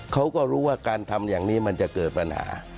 เขาก็รู้ว่าการทำอย่างนี้มันจะเกิดปัญหา